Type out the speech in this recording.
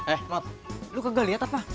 eh mot lu kagak liat apa